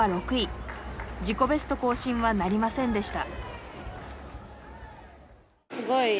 自己ベスト更新はなりませんでした。